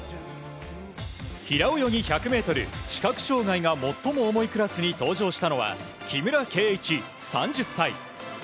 平泳ぎ１００ｍ視覚障害が最も重いクラスに登場したのは木村敬一、３０歳。